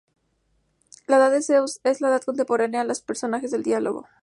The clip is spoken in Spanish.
La Edad de Zeus es la edad contemporánea a los personajes del diálogo.